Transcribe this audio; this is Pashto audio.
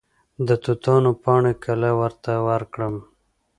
د توتانو پاڼې کله ورته ورکړم؟